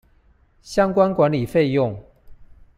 相關管理費用